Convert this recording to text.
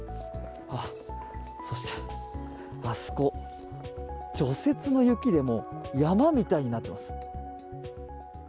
そして、あそこは除雪の雪で山みたいになっています。